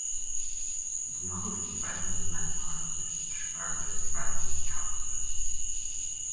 The novel is divided into nine parts, with each further divided into chapters.